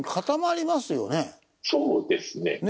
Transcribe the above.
そうですね。